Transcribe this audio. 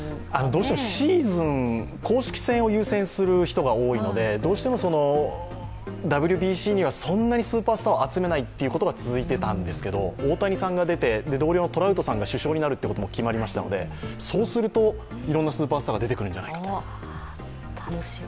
どうしてもシーズン、公式戦を優先する人が多いので、どうしてもＷＢＣにはそんなにスーパースターを集めないということが続いていたんですが大谷さんが出て、同僚のトラウトさんが主将になることが決まりましたのでそうすると、いろんなスーパースターが出てくるんじゃないかと。